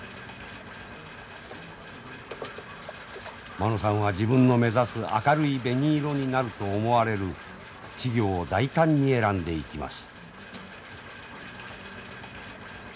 間野さんは自分の目指す明るい紅色になると思われる稚魚を大胆に選んでいきます。